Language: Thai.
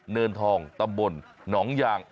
เนินทองตำบลหนองยาง